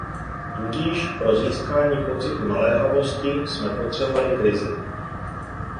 Tudíž pro získání pocitu naléhavosti jsme potřebovali krizi.